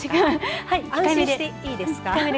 安心していいですか。